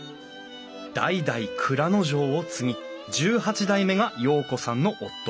代々内蔵丞を継ぎ１８代目が陽子さんの夫。